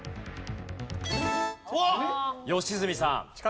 良純さん。